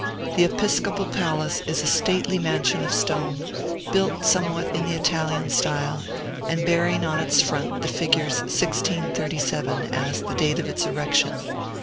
The episcopal palace is a stately mansion of stone, built somewhat in the Italian style, and bearing on its front the figures 1637, as the date of its erection.